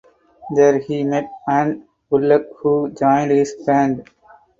There he met Ann Bullock who joined his band.